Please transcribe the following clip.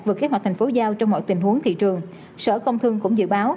vượt kế hoạch thành phố giao trong mọi tình huống thị trường sở công thương cũng dự báo